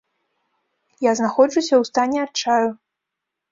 Я знаходжуся ў стане адчаю.